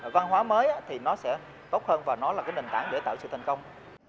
văn hóa mới thì nó sẽ tốt hơn và nó là cái nền tảng để tạo sự thành công